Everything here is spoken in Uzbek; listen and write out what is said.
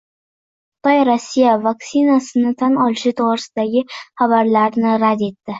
Xitoy Rossiya vaksinasini tan olishi to‘g‘risidagi xabarlarni rad etdi